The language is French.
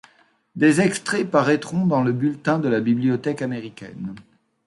Des extraits paraîtront dans le Bulletin de la bibliothèque américaine.